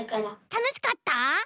たのしかった？